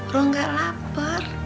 rok gak lapar